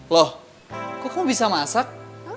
loh kok kamu bisa masak